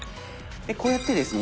こうやってですね